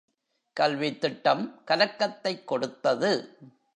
கல்வித் திட்டம் கலக்கத்தைக் கொடுத்தது.